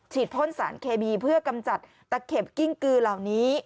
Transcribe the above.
พ่นสารเคมีเพื่อกำจัดตะเข็บกิ้งกือเหล่านี้